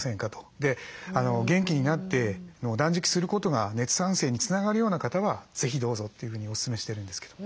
で元気になって断食することが熱産生につながるような方は是非どうぞっていうふうにおすすめしてるんですけど。